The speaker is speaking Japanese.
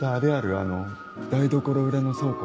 あの台所裏の倉庫。